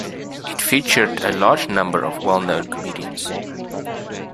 It featured a large number of well known comedians.